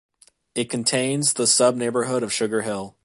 It contains the sub-neighborhood of Sugar Hill.